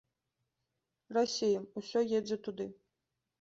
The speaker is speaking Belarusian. Расія, усё едзе туды.